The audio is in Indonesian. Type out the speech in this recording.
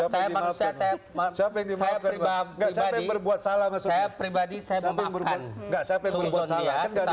saya manusia saya pribadi saya memaafkan